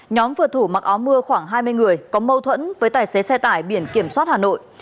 nhóm vừa thủ mặc áo mưa khoảng hai mươi người có mâu thuẫn với tài xế xe tải biển kiểm soát hà nội